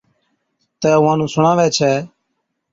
تہ اُونھان نُون سُڻاوي ڇَي